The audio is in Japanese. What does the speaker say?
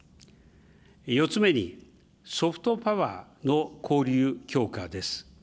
４つ目に、ソフトパワーの交流強化です。